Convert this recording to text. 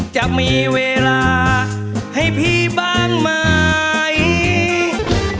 จะมีเวลาให้พี่บ้างไหม